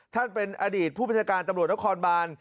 ท่านเป็นอดีตผู้บัญชาการตำรวจนครบาน